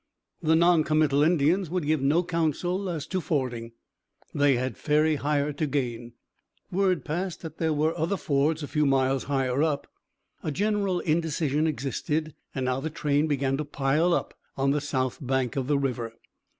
The noncommittal Indians would give no counsel as to fording. They had ferry hire to gain. Word passed that there were other fords a few miles higher up. A general indecision existed, and now the train began to pile up on the south bank of the river.